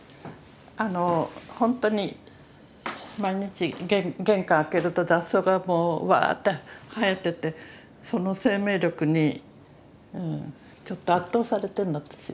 ほんとに毎日玄関開けると雑草がもうワーッて生えててその生命力にちょっと圧倒されてるの私。